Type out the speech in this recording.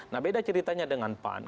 nah beda ceritanya dengan pan